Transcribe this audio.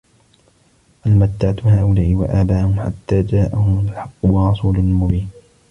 بَل مَتَّعتُ هؤُلاءِ وَآباءَهُم حَتّى جاءَهُمُ الحَقُّ وَرَسولٌ مُبينٌ